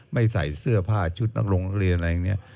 ไม่ใส่เสื้อผ้าชุดนักโรงเรียนอะไรอย่างนี้